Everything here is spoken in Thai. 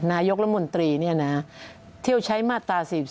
นายกรัฐมนตรีเที่ยวใช้มาตรา๔๔